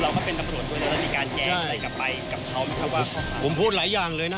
กับเขาเพราะว่าเขาใช่ผมพูดหลายอย่างเลยนะ